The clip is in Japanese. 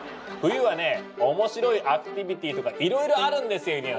冬はね面白いアクティビティーとかいろいろあるんですよ